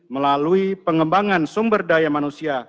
melalui pengembangan sumber daya manusia